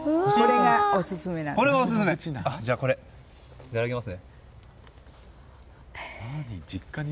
いただきますね！